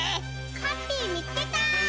ハッピーみつけた！